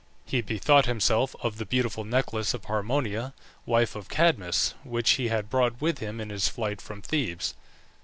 He bethought himself of the beautiful necklace of Harmonia, wife of Cadmus, which he had brought with him in his flight from Thebes.